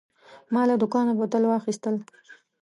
ما له دوکانه بوتان واخیستل.